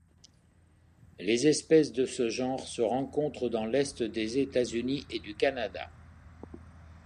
Les espèces de ce genre se rencontrent dans l'Est des États-Unis et du Canada.